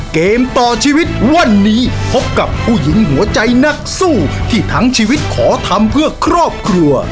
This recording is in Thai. เกมต่อชีวิตวันนี้พบกับผู้หญิงหัวใจนักสู้ที่ทั้งชีวิตขอทำเพื่อครอบครัว